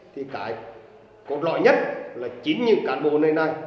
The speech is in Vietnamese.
thì cái cột lõi nhất là chính những cán bộ nơi này